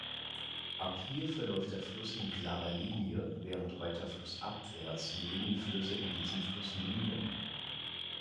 Ab hier verläuft der Fluss in klarer Linie, während weiter flussabwärts Nebenflüsse in diesen Fluss münden.